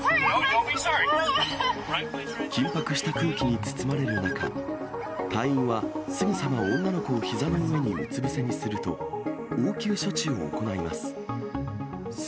緊迫した空気に包まれる中、隊員はすぐさま女の子を膝の上にうつ伏せにすると、応急処置を行います。